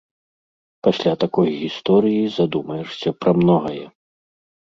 Пасля такой гісторыі задумаешся пра многае.